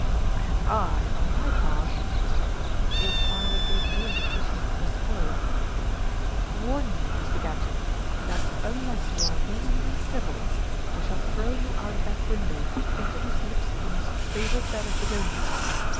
"And I, on my part," said Smith, with a smile that gave no indication of what was to follow, "warn you, Mr. Gadgett, that unless you are reasonably civil, I shall throw you out of that window into Miss Lip scombe's favourite bed of begonias.